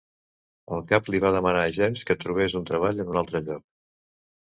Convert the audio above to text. El cap li va demanar a James que trobés un treball en un altre lloc.